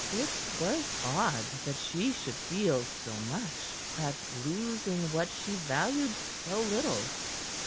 It was odd that she should feel so much at losing what she valued so little.